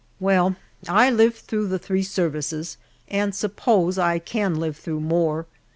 Well, I lived through the three services, and suppose I can live through more.